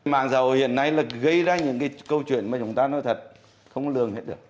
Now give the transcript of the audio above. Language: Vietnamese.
mạng xã hội hiện nay là gây ra những cái câu chuyện mà chúng ta nói thật không có lường hết được